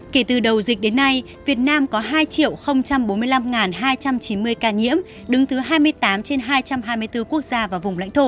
kể từ đầu dịch đến nay việt nam có hai bốn mươi năm hai trăm chín mươi ca nhiễm đứng thứ hai mươi tám trên hai trăm hai mươi bốn quốc gia và vùng lãnh thổ